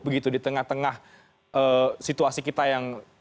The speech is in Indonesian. begitu di tengah tengah situasi kita yang